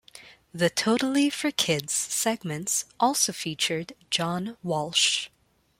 The "Totally For Kids" segments also featured John Walsh.